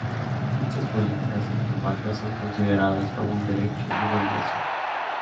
Dichas políticas en Dinamarca son consideradas como un derecho y una obligación.